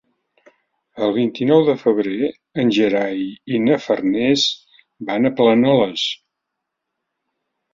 El vint-i-nou de febrer en Gerai i na Farners van a Planoles.